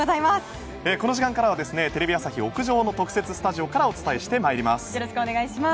この時間からテレビ朝日屋上の特設スタジオからお伝えします。